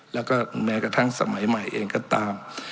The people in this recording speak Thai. แล้วก็แม้กระทั่งสมัยใหม่เองก็ตาม